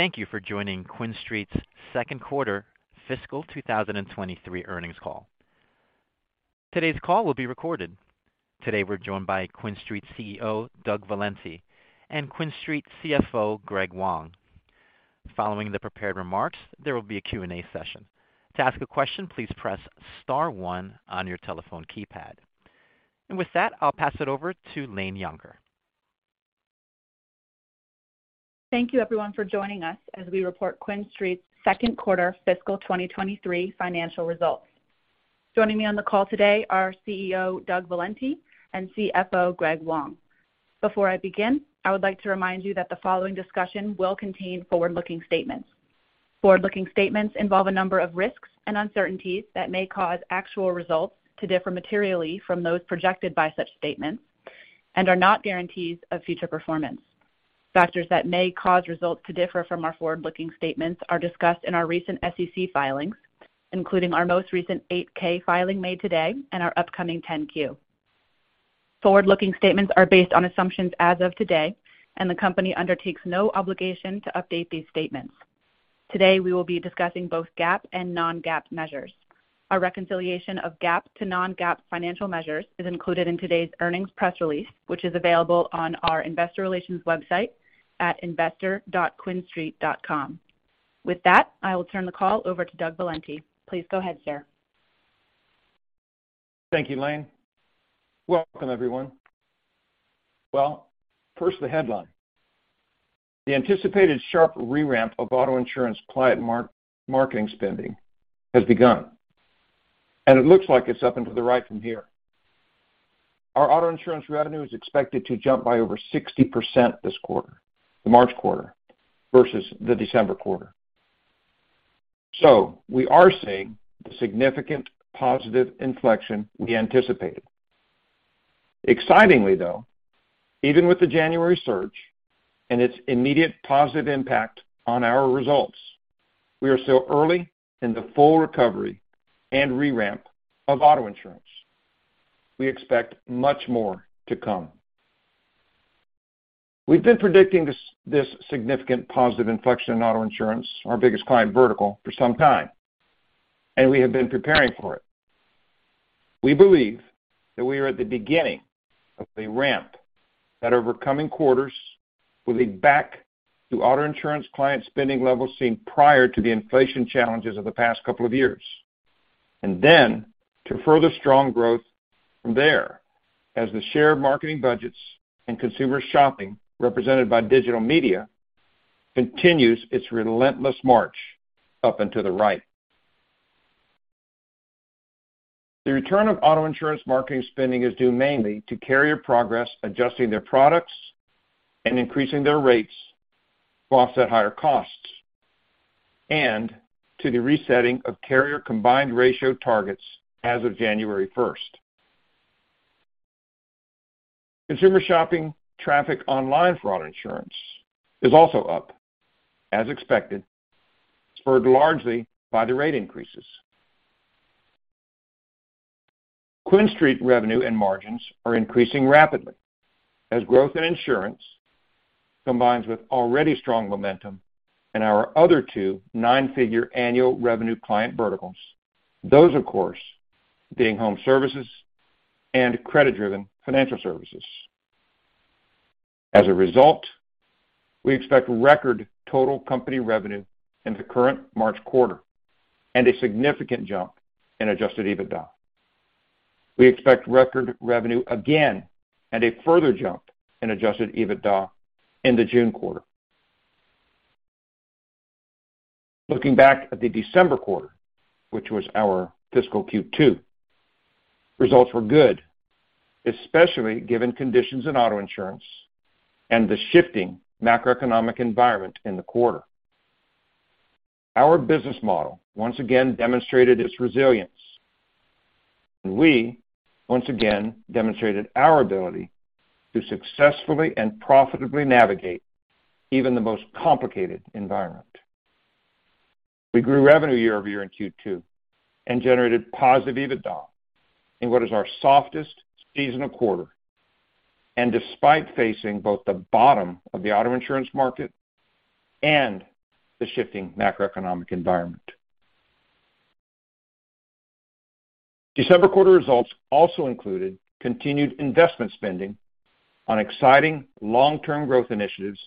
Thank you for joining QuinStreet's second quarter fiscal 2023 earnings call. Today's call will be recorded. Today, we're joined by QuinStreet CEO, Doug Valenti, and QuinStreet CFO, Greg Wong. Following the prepared remarks, there will be a Q&A session., I'll pass it over to Laine Yonker. Thank you, everyone, for joining us as we report QuinStreet's second quarter fiscal 2023 financial results. Joining me on the call today are CEO Doug Valenti and CFO Greg Wong. Before I begin, I would like to remind you that the following discussion will contain forward-looking statements. Forward-looking statements involve a number of risks and uncertainties that may cause actual results to differ materially from those projected by such statements and are not guarantees of future performance. Factors that may cause results to differ from our forward-looking statements are discussed in our recent SEC filings, including our most recent 8-K filing made today, and our upcoming 10-Q. Forward-looking statements are based on assumptions as of today, and the company undertakes no obligation to update these statements. Today, we will be discussing both GAAP and non-GAAP measures. A reconciliation of GAAP to non-GAAP financial measures is included in today's earnings press release, which is available on our investor relations website at investor.quinstreet.com. With that, I will turn the call over to Doug Valenti. Please go ahead, sir. Thank you, Laine. Welcome, everyone. First, the headline. The anticipated sharp re-ramp of auto insurance client marketing spending has begun, and it looks like it's up into the right from here. Our auto insurance revenue is expected to jump by over 60% this quarter, the March quarter, versus the December quarter. We are seeing the significant positive inflection we anticipated. Excitingly, though, even with the January surge and its immediate positive impact on our results, we are still early in the full recovery and re-ramp of auto insurance. We expect much more to come. We've been predicting this significant positive inflection in auto insurance, our biggest client vertical, for some time, and we have been preparing for it. We believe that we are at the beginning of a ramp that over the coming quarters will lead back to auto insurance client spending levels seen prior to the inflation challenges of the past couple of years. To further strong growth from there as the share of marketing budgets and consumer shopping represented by digital media continues its relentless march up into the right. The return of auto insurance marketing spending is due mainly to carrier progress, adjusting their products and increasing their rates to offset higher costs, and to the resetting of carrier combined ratio targets as of January 1. Consumer shopping traffic online for auto insurance is also up, as expected, spurred largely by the rate increases. QuinStreet revenue and margins are increasing rapidly as growth in insurance combines with already strong momentum in our other two nine-figure annual revenue client verticals. Those, of course, being home services and credit-driven financial services. As a result, we expect record total company revenue in the current March quarter and a significant jump in adjusted EBITDA. We expect record revenue again and a further jump in adjusted EBITDA in the June quarter. Looking back at the December quarter, which was our fiscal Q2. Results were good, especially given conditions in auto insurance and the shifting macroeconomic environment in the quarter. Our business model once again demonstrated its resilience, and we once again demonstrated our ability to successfully and profitably navigate even the most complicated environment. We grew revenue year over year in Q2 and generated positive EBITDA in what is our softest seasonal quarter, despite facing both the bottom of the auto insurance market and the shifting macroeconomic environment. December quarter results also included continued investment spending on exciting long-term growth initiatives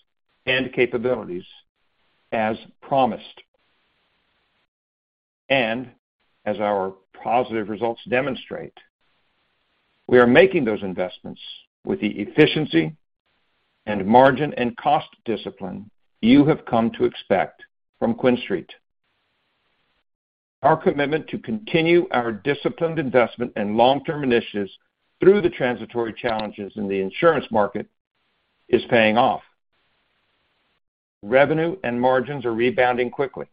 and capabilities as promised. As our positive results demonstrate, we are making those investments with the efficiency and margin and cost discipline you have come to expect from QuinStreet. Our commitment to continue our disciplined investment in long-term initiatives through the transitory challenges in the insurance market is paying off. Revenue and margins are rebounding quickly.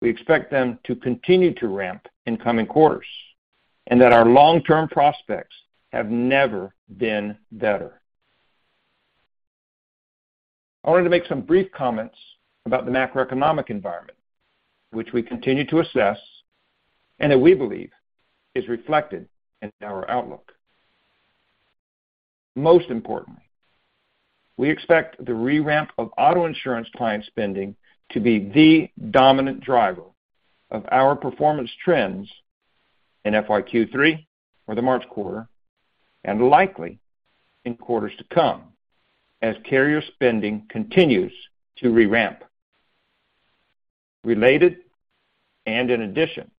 We expect them to continue to ramp in coming quarters, and that our long-term prospects have never been better. I wanted to make some brief comments about the macroeconomic environment, which we continue to assess and that we believe is reflected in our outlook. Most importantly, we expect the re-ramp of auto insurance client spending to be the dominant driver of our performance trends in fiscal Q3, or the March quarter, and likely in quarters to come as carrier spending continues to re-ramp. Related, in addition,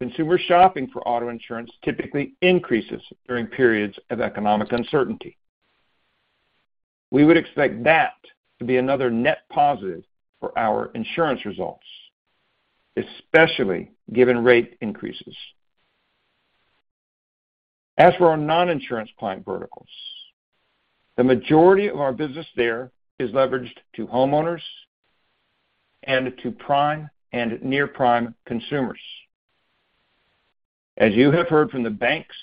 consumer shopping for auto insurance typically increases during periods of economic uncertainty. We would expect that to be another net positive for our insurance results, especially given rate increases. As for our non-insurance client verticals, the majority of our business there is leveraged to homeowners and to prime and near-prime consumers. As you have heard from the banks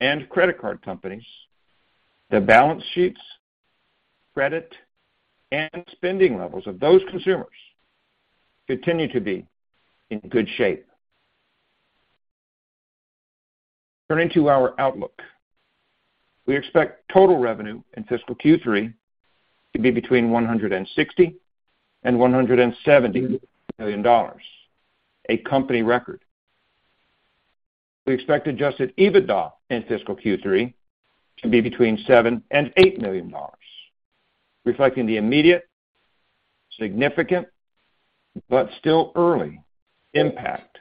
and credit card companies, the balance sheets, credit, and spending levels of those consumers continue to be in good shape. Turning to our outlook, we expect total revenue in fiscal Q3 to be between $160 million and $170 million, a company record. We expect adjusted EBITDA in fiscal Q3 to be between $7 million and $8 million, reflecting the immediate, significant, but still early impact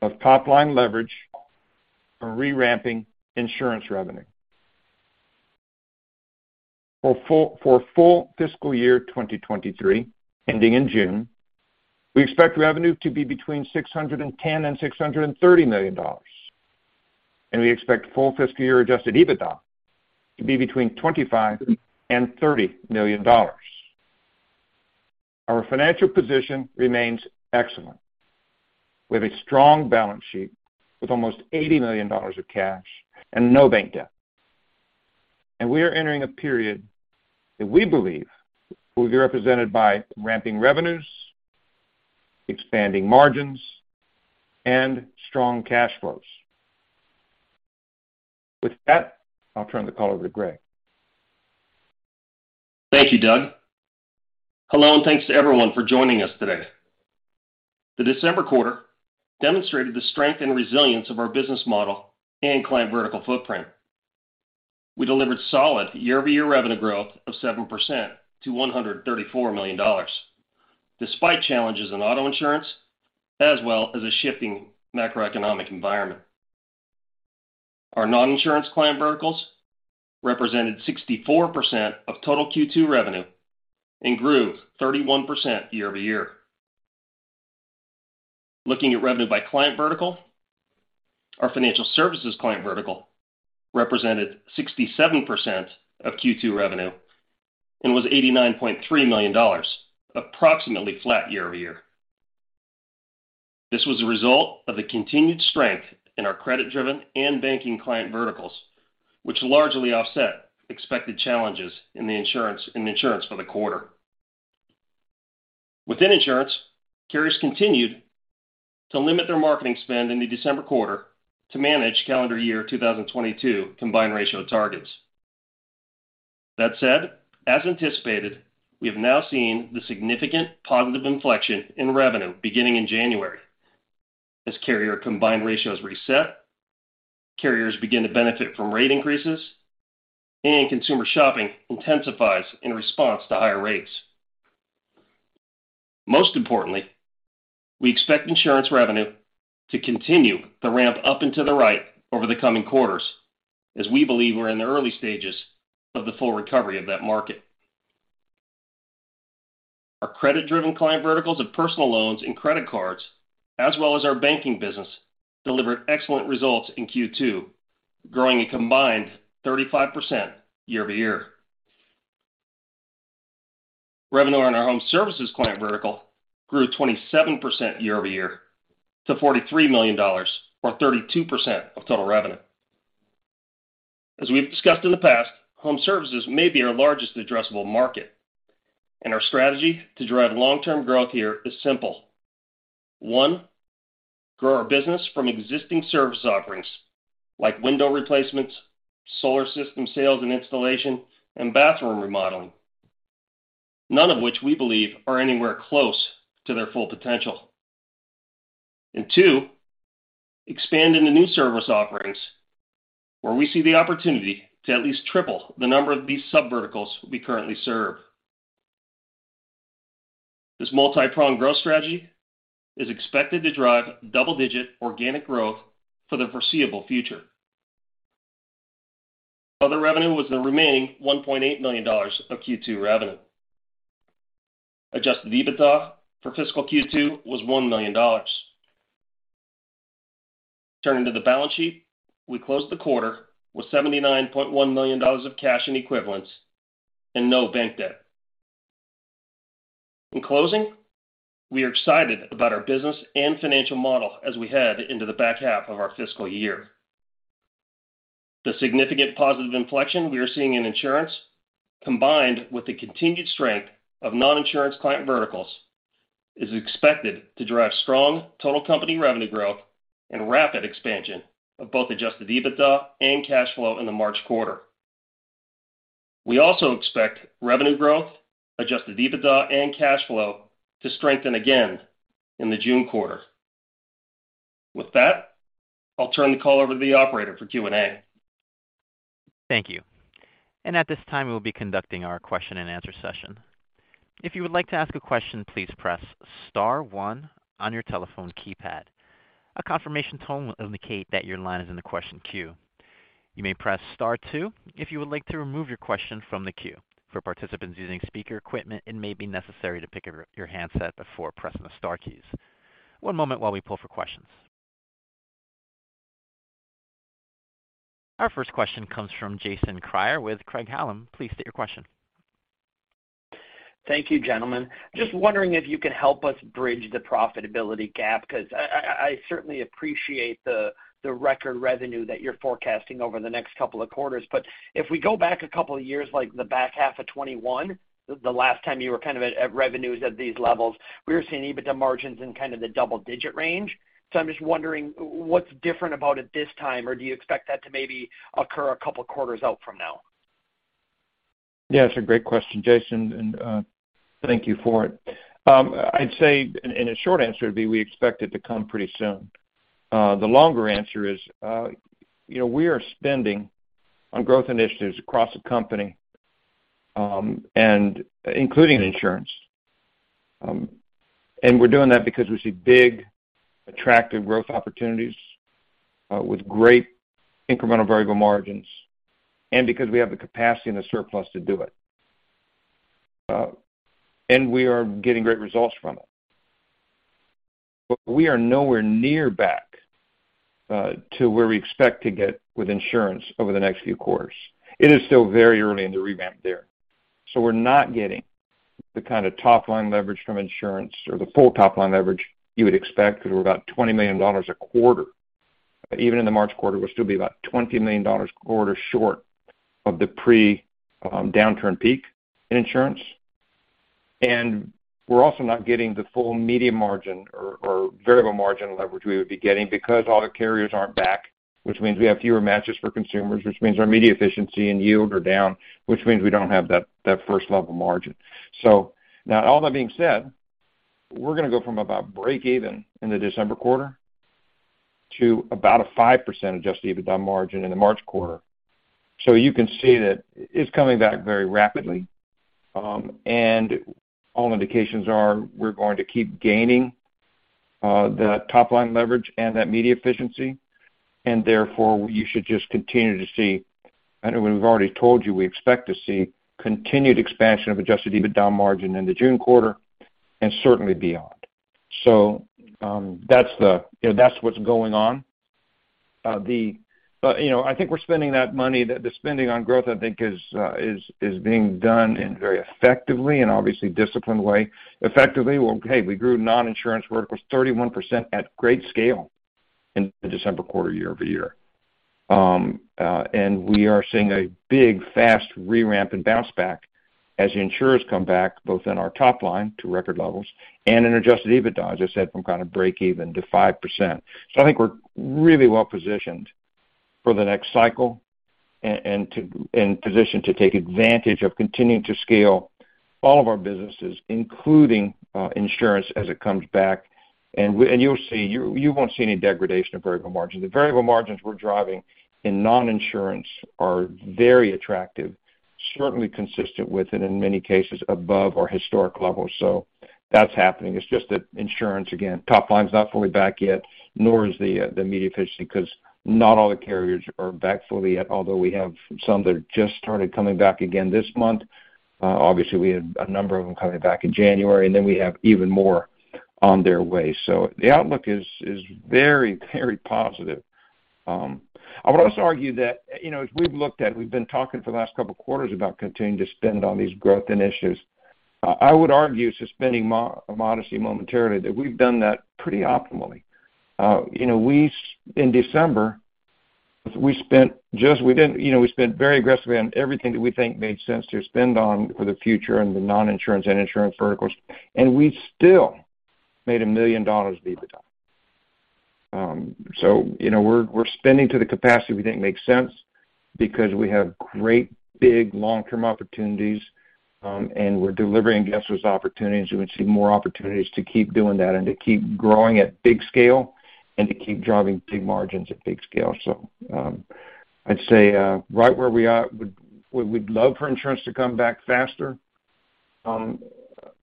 of top-line leverage from re-ramping insurance revenue. For the full fiscal year 2023 ending in June, we expect revenue to be between $610 million and $630 million. We expect full fiscal year adjusted EBITDA to be between $25 million and $30 million. Our financial position remains excellent. We have a strong balance sheet with almost $80 million of cash and no bank debt. We are entering a period that we believe will be represented by ramping revenues, expanding margins, and strong cash flows. With that, I'll turn the call over to Greg. Thank you, Doug. Hello. Thank you to everyone for joining us today. The December quarter demonstrated the strength and resilience of our business model and client vertical footprint. We delivered solid year-over-year revenue growth of 7% to $134 million, despite challenges in auto insurance as well as a shifting macroeconomic environment. Our non-insurance client verticals represented 64% of total Q2 revenue and grew 31% year-over-year. Looking at revenue by client vertical, our financial services client vertical represented 67% of Q2 revenue and totaled $89.3 million, approximately flat year over year. This was a result of the continued strength in our credit-driven and banking client verticals, which largely offset expected challenges in insurance for the quarter. Within insurance, carriers continued to limit their marketing spend in the December quarter to manage calendar year 2022 combined ratio targets. That said, as anticipated, we have now seen the significant positive inflection in revenue beginning in January. As carrier combined ratios reset, carriers begin to benefit from rate increases, and consumer shopping intensifies in response to higher rates. Most importantly, we expect insurance revenue to continue to ramp up into the right over the coming quarters as we believe we're in the early stages of the full recovery of that market. Our credit-driven client verticals of personal loans and credit cards, as well as our banking business, delivered excellent results in Q2, growing a combined 35% year-over-year. Revenue on our home services client vertical grew 27% year-over-year to $43 million or 32% of total revenue. As we've discussed in the past, home services may be our largest addressable market, and our strategy to drive long-term growth here is simple. 1, grow our business from existing service offerings like window replacements, solar system sales and installation, and bathroom remodeling. None of which we believe are anywhere close to their full potential. Two expand into new service offerings where we see the opportunity to at least triple the number of these subverticals we currently serve. This multi-pronged growth strategy is expected to drive double digit organic growth for the foreseeable future. Other revenue was the remaining $1.8 million of Q2 revenue. Adjusted EBITDA for fiscal Q2 was $1 million. Turning to the balance sheet, we closed the quarter with $79.1 million of cash and equivalents and no bank debt. In closing, we are excited about our business and financial model as we head into the back half of our fiscal year. The significant positive inflection we are seeing in insurance, combined with the continued strength of non-insurance client verticals Is expected to drive strong total company revenue growth and rapid expansion of both adjusted EBITDA and cash flow in the March quarter. We also expect revenue growth, adjusted EBITDA and cash flow to strengthen again in the June quarter. With that, I'll turn the call over to the operator for Q&A. Our first question comes from Jason Kreyer with Craig-Hallum. Please state your question. Thank you, gentlemen. Just wondering if you could help us bridge the profitability gap, because I certainly appreciate the record revenue that you're forecasting over the next couple of quarters, but if we go back a couple of years, like the back half of 2021, the last time you were at revenues at these levels, we were seeing EBITDA margins in kind of the double-digit range. I'm just wondering what's different about it this time, or do you expect that to maybe occur a a couple of quarters from now? Yeah, it's a great question, Jason, and thank you for it. I would say the short answer is we expect it to come pretty soon. The longer answer is, we are spending on growth initiatives across the company, and including insurance. We're doing that because we see big, attractive growth opportunities with great incremental variable margins and because we have the capacity and the surplus to do it. We are getting great results from it. We are nowhere near back to where we expect to get with insurance over the next few quarters. It is still very early in the revamp there. We're not getting the kind of top-line leverage from insurance or the full top-line leverage you would expect, 'cause we're about $20 million a quarter. Even in the March quarter, we'll still be about $20 million quarter short of the pre-downturn peak in insurance. We're also not getting the full media margin or variable margin leverage we would be getting because all the carriers aren't back, which means we have fewer matches for consumers, which means our media efficiency and yield are down, which means we don't have that first level margin. Now all that being said, we are going to go from about break even in the December quarter to about a 5% adjusted EBITDA margin in the March quarter. You can see that it's coming back very rapidly, and all indications are we're going to keep gaining the top-line leverage and that media efficiency, and therefore you should just continue to see... I know we've already told you we expect to see continued expansion of adjusted EBITDA margin in the June quarter and certainly beyond. That's what's going on. I think we're spending that money, the spending on growth, I think is being done in very effectively and obviously disciplined way. Effectively, well, hey, we grew non-insurance verticals 31% at great scale in the December quarter year-over-year. We are seeing a big, fast re-ramp and bounce back as the insurers come back, both in our top line to record levels and in adjusted EBITDA, as I said, from kind of break even to 5%. I think we're really well-positioned for the next cycle and positioned to take advantage of continuing to scale all of our businesses, including insurance as it comes back. You'll see, you won't see any degradation of variable margins. The variable margins we're driving in non-insurance are very attractive, certainly consistent with and in many cases above our historic levels. That's happening. It's just that insurance, again, top line's not fully back yet, nor is the media efficiency 'cause not all the carriers are back fully yet, although we have some that just started coming back again this month. Obviously we had a number of them coming back in January, and then we have even more on their way. The outlook is very, very positive. I would also argue that, as we've looked at, we've been talking for the last couple quarters about continuing to spend on these growth initiatives. I would argue, suspending modesty momentarily, that we've done that pretty optimally. In December, we spent very aggressively on everything that we think made sense to spend on for the future in the non-insurance and insurance verticals, and we still made $1 million EBITDA. We're spending to the capacity we think makes sense because we have great big long-term opportunities, and we're delivering against those opportunities. We see more opportunities to keep doing that and to keep growing at big scale and to keep driving big margins at big scale. I'd say right where we are, we'd love for insurance to come back faster.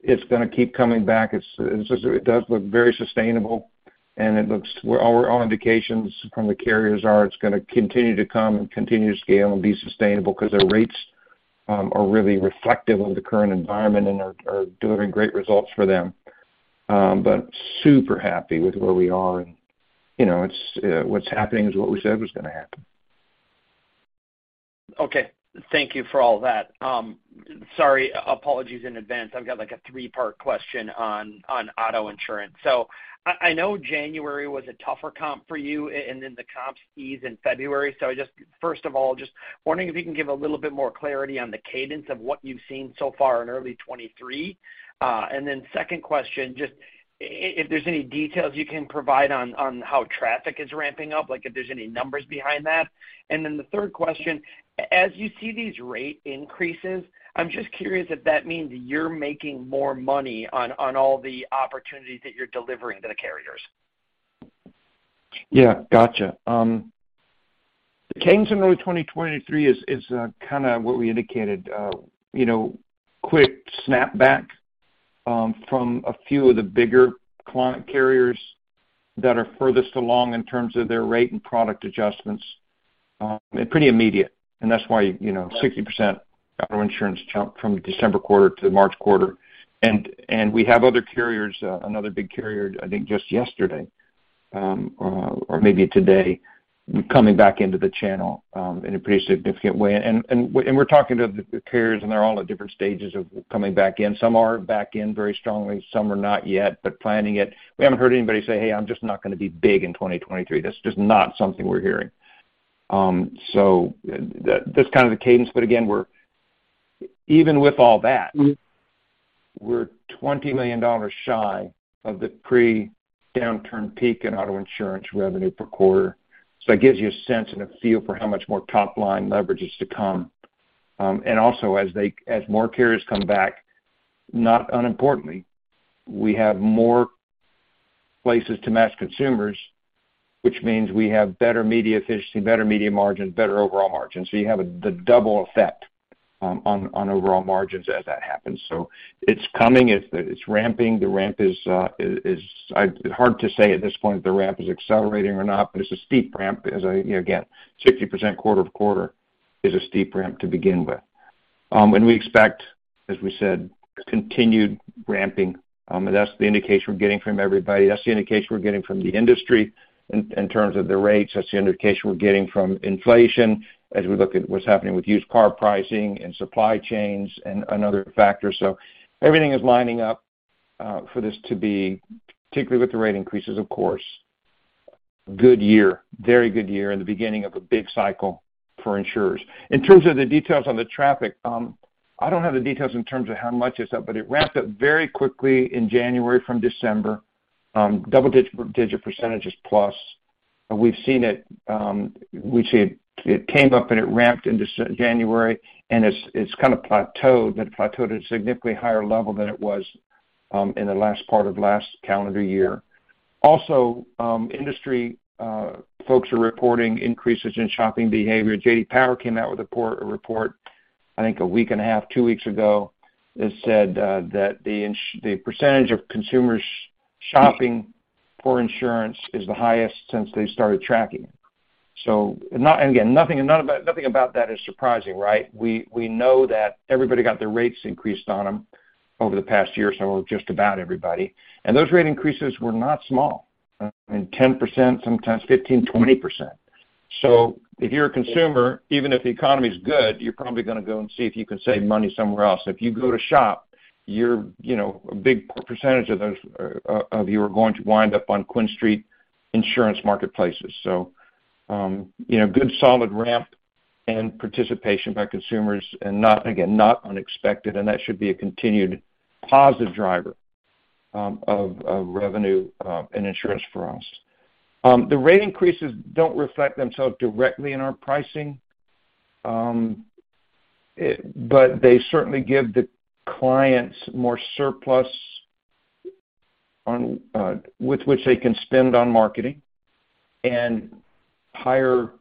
It's gonna keep coming back. It does look very sustainable, and all our, all indications from the carriers are it's gonna continue to come and continue to scale and be sustainable 'cause their rates are really reflective of the current environment and are delivering great results for them. super happy with where we are and, it's what's happening is what we said was gonna happen. Okay. Thank you for all that. Sorry, apologies in advance. I've got like a three-part question on auto insurance. I know January was a tougher comp for you, and then the comps eased in February. Just first of all, just wondering if you can give a little bit more clarity on the cadence of what you've seen so far in early 2023. Then second question, just if there's any details you can provide on how traffic is ramping up, like if there's any numbers behind that. Then the third question, as you see these rate increases, I'm just curious if that means you're making more money on all the opportunities that you're delivering to the carriers. Yeah. Gotcha. The cadence in early 2023 is kind of what we indicated, quick snapback from a few of the bigger client carriers that are furthest along in terms of their rate and product adjustments, and pretty immediate. That's why, 60% auto insurance jump from the December quarter to the March quarter. We have other carriers, another big carrier, I think just yesterday, or maybe today, coming back into the channel in a pretty significant way. We're talking to the carriers, and they're all at different stages of coming back in. Some are back in very strongly, some are not yet, but planning it. We haven't heard anybody say, "Hey, I'm just not gonna be big in 2023." That's just not something we're hearing. That's kind of the cadence. Again, we're Even with all that, we're $20 million shy of the pre-downturn peak in auto insurance revenue per quarter. It gives you a sense and a feel for how much more top-line leverage is to come. Also, as more carriers come back, not unimportantly, we have more places to match consumers, which means we have better media efficiency, better media margins, better overall margins. You have a, the double effect on overall margins as that happens. It's coming. It's ramping. The ramp is It is hard to say at this point whether the ramp is accelerating or not, it's a steep ramp as I again, 60% quarter-over-quarter is a steep ramp to begin with. We expect, as we said, continued ramping. That's the indication we're getting from everybody. That's the indication we're getting from the industry in terms of the rates. That's the indication we're getting from inflation as we look at what's happening with used car pricing and supply chains and another factor. Everything is lining up for this to be, particularly with the rate increases, of course, a good year, the beginning of a big cycle for insurers. In terms of the details on the traffic, I don't have the details in terms of how much it's up, but it ramped up very quickly in January from December, double-digit % plus. We've seen it came up and it ramped in January, and it's kind of plateaued, but it plateaued at a significantly higher level than it was in the last part of last calendar year. Also, industry folks are reporting increases in shopping behavior. J.D. Power came out with a report, I think 1.5, 2 weeks ago, that said that the % of consumers shopping for insurance is the highest since they started tracking it. Again, nothing, none of that, nothing about that is surprising, right? We know that everybody got their rates increased on them over the past year or so, just about everybody. Those rate increases were not small, I mean 10%, sometimes 15, 20%. If you're a consumer, even if the economy's good, you're probably gonna go and see if you can save money somewhere else. If you go to shop, you're, a big percentage of those of you are going to wind up on QuinStreet Insurance marketplaces. Good solid ramp and participation by consumers and not, again, not unexpected, and that should be a continued positive driver of revenue in insurance for us. The rate increases don't reflect themselves directly in our pricing. They certainly give the clients more surplus on with which they can spend on marketing and higher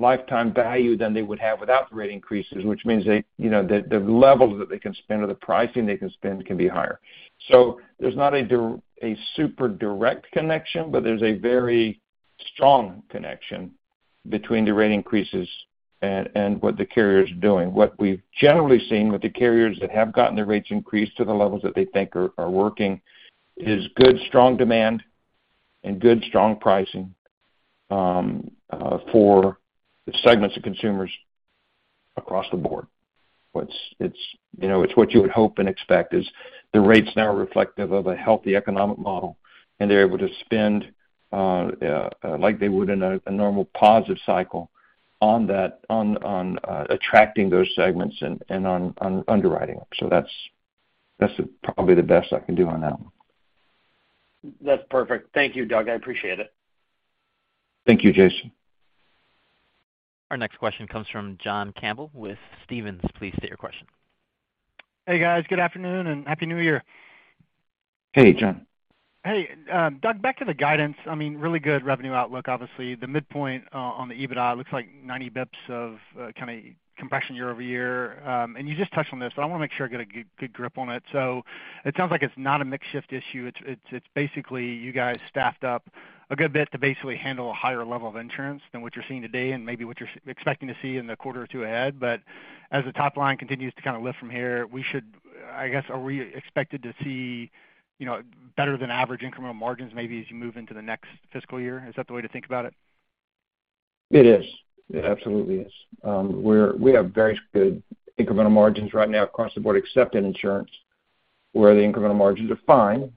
lifetime value than they would have without the rate increases, which means they, the levels that they can spend or the pricing they can spend can be higher. There's not a super direct connection, but there's a very strong connection between the rate increases and what the carriers are doing. What we've generally seen with the carriers that have gotten their rates increased to the levels that they think are working is good, strong demand and good, strong pricing for the segments of consumers across the board. What's, it's what you would hope and expect, is the rates now are reflective of a healthy economic model, and they're able to spend like they would in a normal positive cycle on that, on attracting those segments and on underwriting them. That's probably the best I can do on that one. That's perfect. Thank you, Doug. I appreciate it. Thank you, Jason. Our next question comes from John Campbell with Stephens. Please state your question. Hey, guys. Good afternoon, and Happy New Year. Hey, John. Hey. Doug, back to the guidance. I mean, really good revenue outlook, obviously. The midpoint on the EBITDA looks like 90 basis points of kind of compression year-over-year. You just touched on this, but I wanna make sure I get a good grip on it. It sounds like it's not a mix shift issue. It's basically you guys staffed up a good bit to basically handle a higher level of insurance than what you're seeing today and maybe what you're expecting to see in the quarter or 2 ahead. As the top line continues to kind of lift from here, we should, I guess, are we expected to see, better than average incremental margins maybe as you move into the next fiscal year? Is that the way to think about it? It is. It absolutely is. We have very good incremental margins right now across the board, except in insurance, where the incremental margins are fine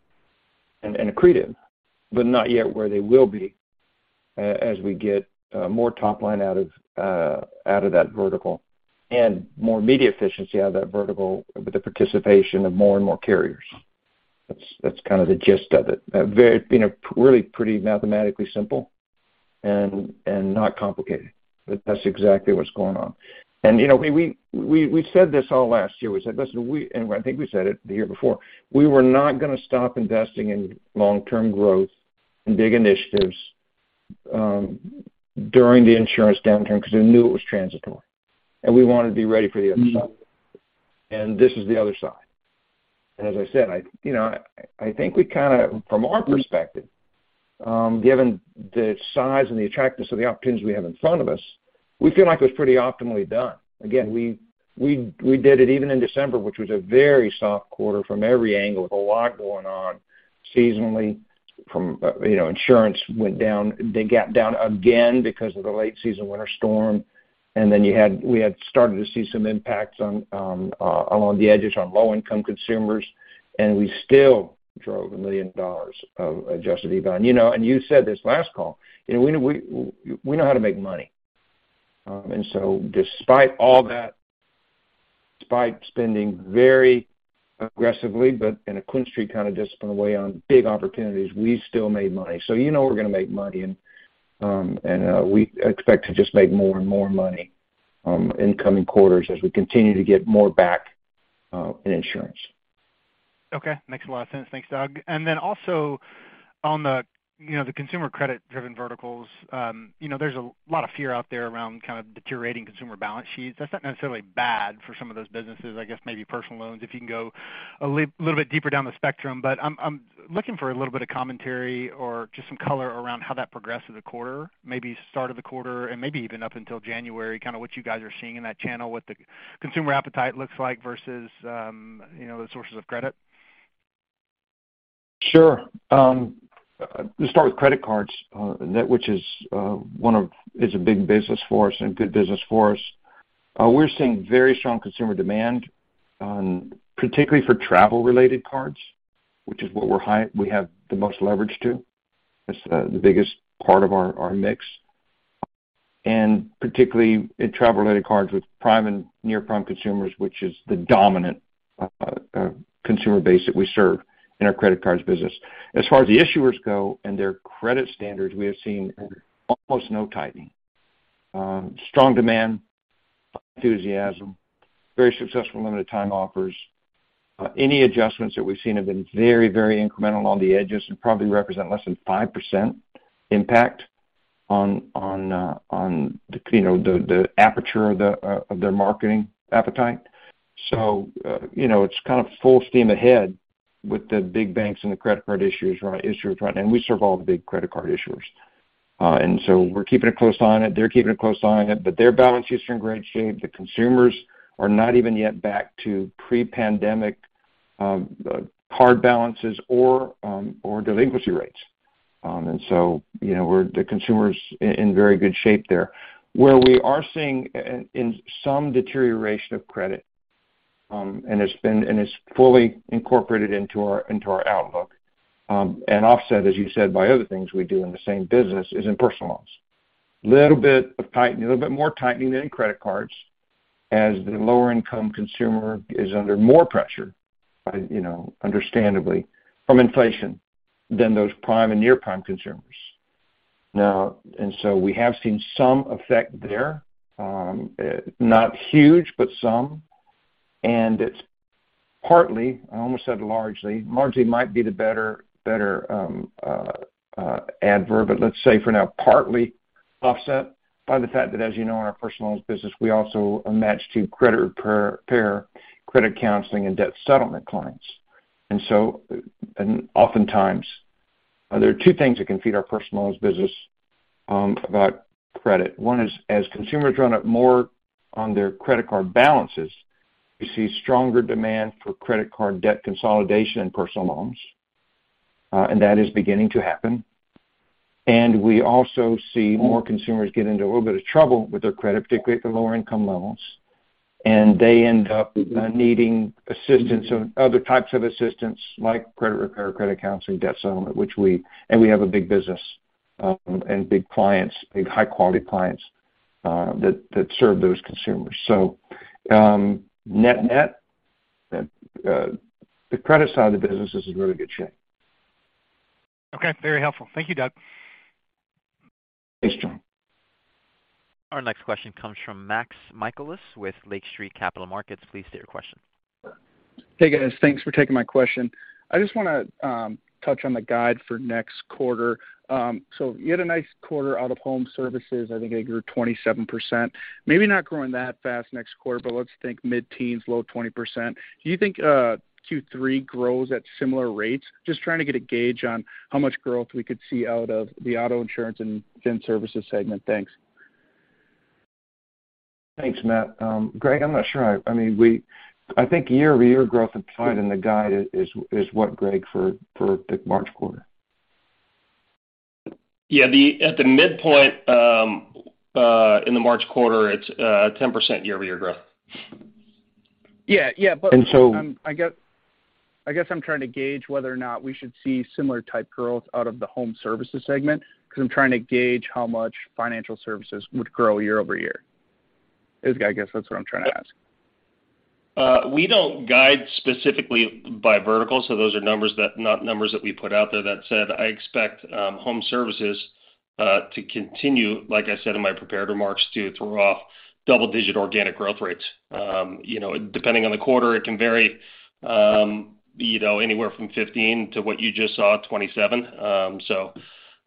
and accretive, but not yet where they will be as we get more top line out of that vertical and more media efficiency out of that vertical with the participation of more and more carriers. That's kind of the gist of it. A very, really pretty mathematically simple and not complicated. That's exactly what's going on. We said this all last year. We said, listen, we... I think we said it the year before. We were not gonna stop investing in long-term growth and big initiatives, during the insurance downturn because we knew it was transitory, and we wanted to be ready for the other side. This is the other side. As I said, I think we kind of, from our perspective, given the size and the attractiveness of the opportunities we have in front of us, we feel like it was pretty optimally done. Again, we did it even in December, which was a very soft quarter from every angle, with a lot going on seasonally from, insurance went down. They got down again because of the late season winter storm. We had started to see some impacts on along the edges on low-income consumers, and we still drove $1 million of adjusted EBITDA. And you said this last call, we know how to make money. Despite all that, despite spending very aggressively, but in a QuinStreet kind of disciplined way on big opportunities, we still made money. We're gonnamake money and we expect to just make more and more money in coming quarters as we continue to get more back in insurance. Okay. Makes a lot of sense. Thanks, Doug. Then also on the, the consumer credit-driven verticals, there's a lot of fear out there around kind of deteriorating consumer balance sheets. That's not necessarily bad for some of those businesses. I guess maybe personal loans, if you can go a little bit deeper down the spectrum. I'm looking for a little bit of commentary or just some color around how that progressed through the quarter, maybe start of the quarter and maybe even up until January, kind of what you guys are seeing in that channel, what the consumer appetite looks like versus, the sources of credit. Sure. Let's start with credit cards, which is a big business for us and good business for us. We're seeing very strong consumer demand on, particularly for travel-related cards, which is what we have the most leverage to. It's the biggest part of our mix. Particularly in travel-related cards with prime and near-prime consumers, which is the dominant consumer base that we serve in our credit cards business. As far as the issuers go and their credit standards, we have seen almost no tightening. Strong demand, enthusiasm, very successful limited time offers. Any adjustments that we've seen have been very, very incremental on the edges and probably represent less than 5% impact on the, the aperture of the of their marketing appetite. It is essentially full steam ahead with the big banks and the credit card issuers right, and we serve all the big credit card issuers. We're keeping a close eye on it. They're keeping a close eye on it, but their balance sheets are in great shape. The consumers are not even yet back to pre-pandemic, card balances or delinquency rates. The consumer is in very good shape there. Where we are seeing in some deterioration of credit, and is fully incorporated into our, into our outlook, and offset, as you said, by other things we do in the same business, is in personal loans. Little bit of tightening, a little bit more tightening than in credit cards as the lower income consumer is under more pressure, understandably from inflation than those prime and near-prime consumers. So we have seen some effect there. Not huge, but some. It's partly, I almost said largely. Largely might be the better adverb, but let's say for now, partly offset by the fact that, as in our personal loans business, we also match to credit repair, credit counseling and debt settlement clients. Oftentimes, there are two things that can feed our personal loans business about credit. One is as consumers run up more on their credit card balances, we see stronger demand for credit card debt consolidation and personal loans, and that is beginning to happen. We also see more consumers get into a little bit of trouble with their credit, particularly at the lower income levels, and they end up needing assistance or other types of assistance like credit repair, credit counseling, debt settlement, and we have a big business, and big clients, big high quality clients, that serve those consumers. Net-net, the credit side of the business is in really good shape. Okay. Very helpful. Thank you, Doug. Thanks, John. Our next question comes from Max Michaelis with Lake Street Capital Markets. Please state your question. Hey, guys. Thanks for taking my question. I just wanna touch on the guide for next quarter. You had a nice quarter out-of-home services. I think it grew 27%. Maybe not growing that fast next quarter, but let's think mid-teens, low 20%. Do you think Q3 grows at similar rates? Just trying to get a gauge on how much growth we could see out of the auto insurance and gen services segment. Thanks. Thanks, Max. Greg, I'm not sure. I mean, I think year-over-year growth implied in the guide is what, Greg, for the March quarter? Yeah, at the midpoint, in the March quarter, it's 10% year-over-year growth. Yeah, yeah. And so- I guess I'm trying to gauge whether or not we should see similar type growth out of the home services segment 'cause I'm trying to gauge how much financial services would grow year-over-year. I guess that's what I'm trying to ask. We don't guide specifically by vertical, so those are numbers that, not numbers that we put out there. That said, I expect home services to continue, like I said in my prepared remarks, to throw off double-digit organic growth rates. Depending on the quarter, it can vary, anywhere from 15 to what you just saw, 27.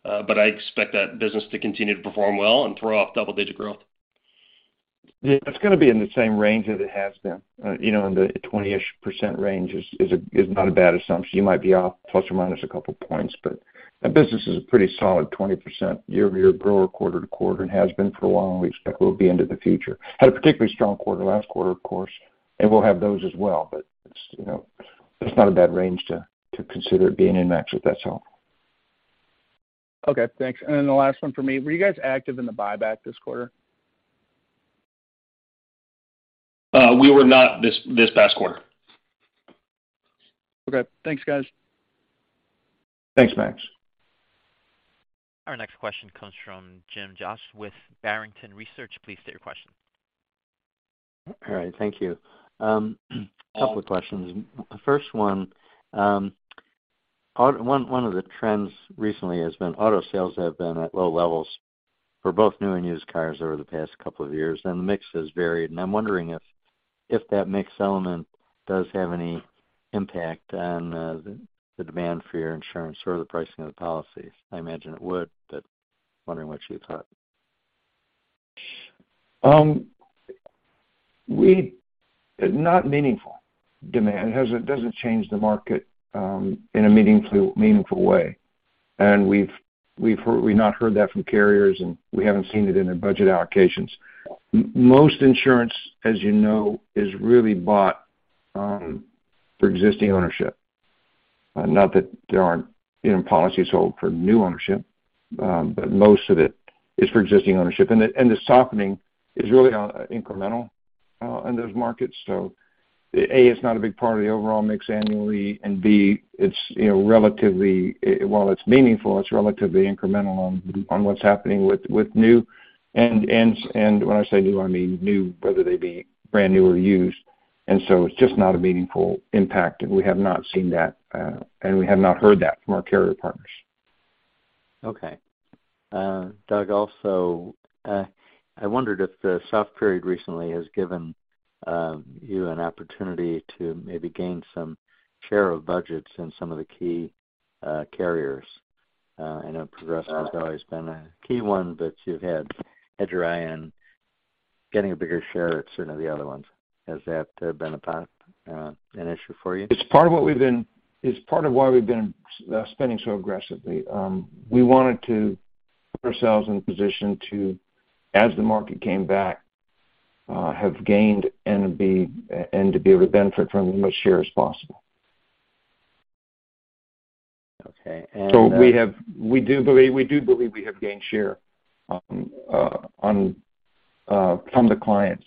I expect that business to continue to perform well and throw off double-digit growth. Yeah, it's gonna be in the same range as it has been. In the 20%-ish range is not a bad assumption. You might be off ± a couple points, but that business is a pretty solid 20% year-over-year grow or quarter-to-quarter and has been for a long, and we expect will be into the future. Had a particularly strong quarter last quarter, of course, and we'll have those as well. It's, that's not a bad range to consider it being in, Max, if that's helpful. Okay, thanks. The last one for me. Were you guys active in the buyback this quarter? We were not this past quarter. Okay. Thanks, guys. Thanks, Max. Our next question comes from Jim Goss with Barrington Research. Please state your question. All right. Thank you. A couple of questions. The first one of the trends recently has been auto sales have been at low levels for both new and used cars over the past couple of years, and the mix has varied. I'm wondering if that mix element does have any impact on the demand for your insurance or the pricing of the policies. I imagine it would, but wondering what you thought. Not meaningful demand. It doesn't change the market in a meaningful way. We've not heard that from carriers, and we haven't seen it in their budget allocations. Most insurance, as is really bought for existing ownership. Not that there aren't, policies sold for new ownership, but most of it is for existing ownership. The softening is really on incremental in those markets. A, it's not a big part of the overall mix annually, and B, it's, relatively, while it's meaningful, it's relatively incremental on what's happening with new. When I say new, I mean new, whether they be brand new or used. It's just not a meaningful impact, and we have not seen that, and we have not heard that from our carrier partners. Okay. Doug, also, I wondered if the soft period recently has given you an opportunity to maybe gain some share of budgets in some of the key carriers. I know Progressive has always been a key one that you've had your eye on getting a bigger share at certain of the other ones. Has that been an issue for you? It's part of why we've been spending so aggressively. We wanted to put ourselves in position to, as the market came back, have gained and be and to be able to benefit from as much share as possible. Okay. We do believe we have gained share from the clients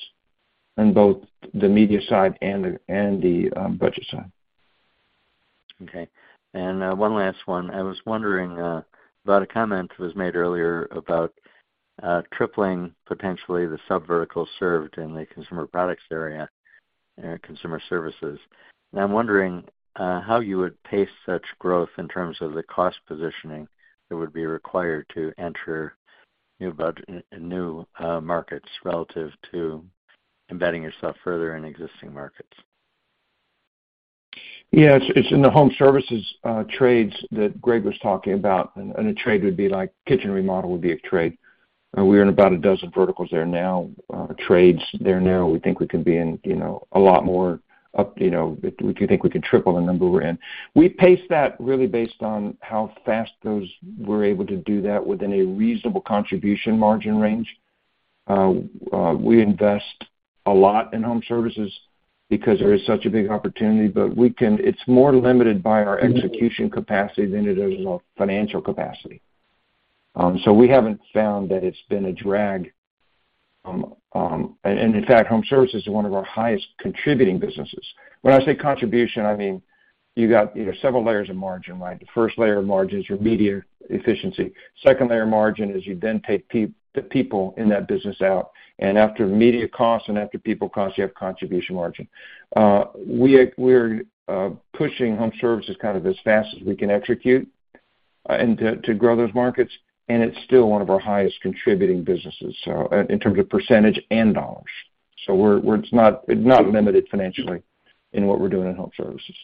in both the media side and the budget side. Okay. one last one. I was wondering about a comment that was made earlier about tripling potentially the subvertical served in the consumer products area, consumer services. I'm wondering how you would pace such growth in terms of the cost positioning that would be required to enter new markets relative to embedding yourself further in existing markets. Yeah. It's in the home services trades that Greg was talking about. A trade would be like kitchen remodel would be a trade. We're in about a dozen verticals there now, trades there now. We think we can be in, a lot more, we do think we could triple the number we're in. We pace that really based on how fast those we're able to do that within a reasonable contribution margin range. We invest a lot in home services because there is such a big opportunity, but it's more limited by our execution capacity than it is our financial capacity. We haven't found that it's been a drag. In fact, home services is one of our highest contributing businesses. When I say contribution, I mean, you got, several layers of margin, right? The first layer of margin is your media efficiency. Second layer of margin is you then take the people in that business out, and after media costs and after people cost, you have contribution margin. We are, we're pushing home services kind of as fast as we can execute, and to grow those markets, and it's still one of our highest contributing businesses, so, in terms of % and dollars. It's not limited financially in what we're doing in home services.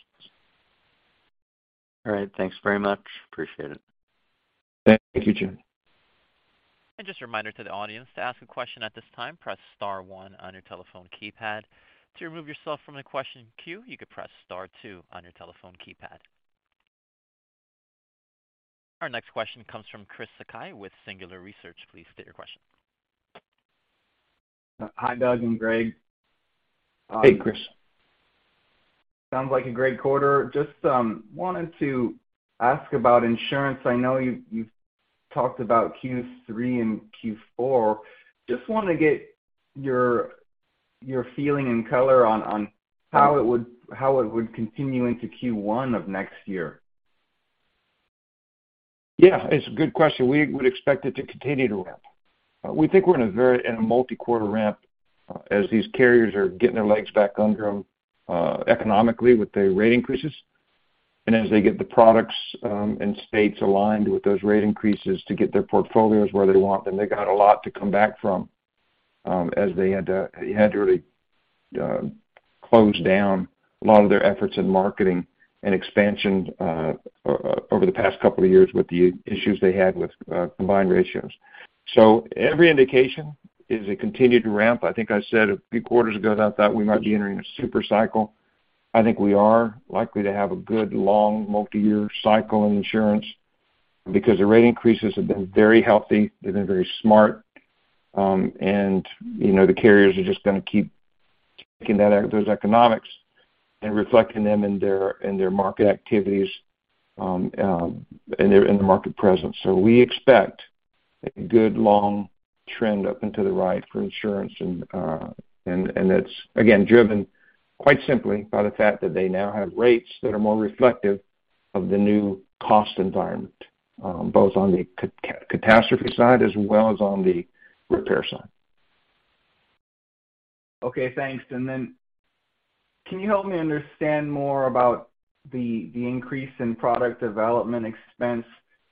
All right. Thanks very much. Appreciate it. Thank you, Jim. Our next question comes from Chris Sakai with Singular Research. Please state your question. Hi, Doug and Greg. Hey, Chris. Sounds like a great quarter. Just wanted to ask about insurance. I know you've talked about Q three and Q four. Just wanna get your feeling and color on how it would continue into Q one of next year. Yeah, it's a good question. We would expect it to continue to ramp. We think we're in a multi-quarter ramp as these carriers are getting their legs back under them, economically with the rate increases. As they get the products, and states aligned with those rate increases to get their portfolios where they want them, they got a lot to come back from, as they had had to really close down a lot of their efforts in marketing and expansion, over the past couple of years with the issues they had with combined ratios. Every indication is a continued ramp. I think I said a few quarters ago that I thought we might be entering a super cycle. I think we are likely to have a good long multi-year cycle in insurance because the rate increases have been very healthy. They've been very smart. The carriers are just gonna keep taking that out of those economics and reflecting them in their, in their market activities, in their, in their market presence. We expect a good long trend up into the right for insurance. it's again driven quite simply by the fact that they now have rates that are more reflective of the new cost environment, both on the catastrophe side as well as on the repair side. Okay, thanks. Then can you help me understand more about the increase in product development expense?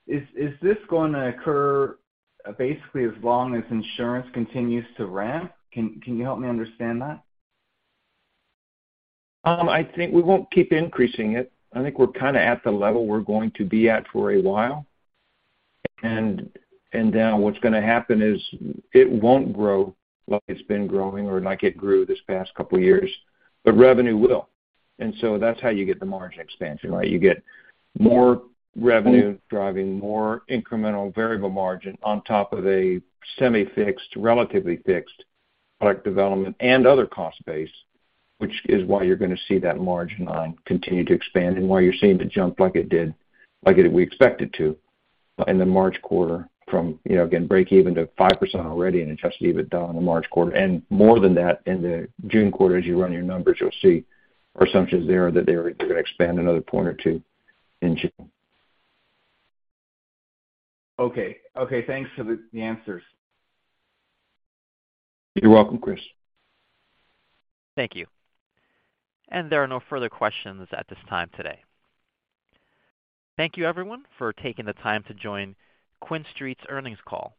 Is this gonna occur basically as long as insurance continues to ramp? Can you help me understand that? I think we won't keep increasing it. I think we're kinda at the level we're going to be at for a while. Now what's gonna happen is it won't grow like it's been growing or like it grew this past couple of years, but revenue will. That's how you get the margin expansion, right? You get more revenue driving more incremental variable margin on top of a semi-fixed, relatively fixed product development and other cost base, which is why you're gonna see that margin line continue to expand and why you're seeing the jump like it did, like we expect it to in the March quarter from, again, break even to 5% already, and it's just even down in the March quarter. More than that in the June quarter, as you run your numbers, you'll see our assumptions there are that they're gonna expand another point or 2 in June. Okay. Okay, thanks for the answers. You're welcome, Chris. Thank you, everyone, for taking the time to join QuinStreet's earnings call.